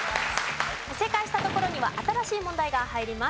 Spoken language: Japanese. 正解したところには新しい問題が入ります。